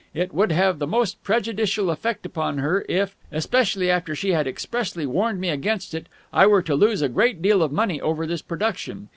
It would have the most prejudicial effect upon her if; especially after she had expressly warned me against it, I were to lose a great deal of money over this production.